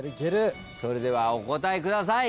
それではお答えください。